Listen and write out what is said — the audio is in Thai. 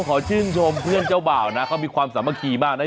ขอชื่นชมเพื่อนเจ้าบ่าวนะเขามีความสามัคคีมากนะ